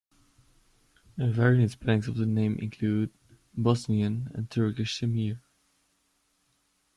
Variant spellings of the name include, Bosnian and Turkish Semir.